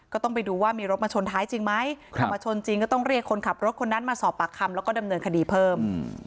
ก็ต้องไปดูว่ามีรถมาชนท้ายจริงไหม